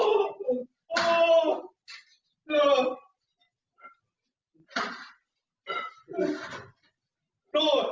บอกอย่างเงี้ยโอ้โห